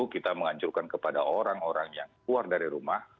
kita menganjurkan kepada orang orang yang keluar dari rumah